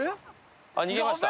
逃げました。